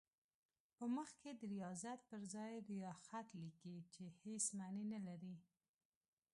په مخ کې د ریاضت پر ځای ریاخت لیکي چې هېڅ معنی نه لري.